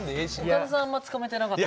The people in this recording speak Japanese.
岡田さんあんまつかめてなかった。